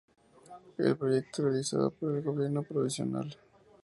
El proyecto realizado por el Gobierno provincial.